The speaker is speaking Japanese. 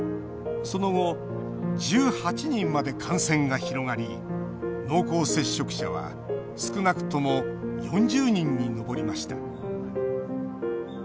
その後、１８人まで感染が広がり濃厚接触者は少なくとも４０人に上りました。